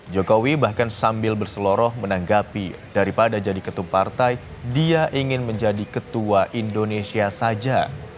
jokowi bahkan sambil berseloroh menanggapi daripada jadi ketum partai dia ingin menjadi ketua indonesia saja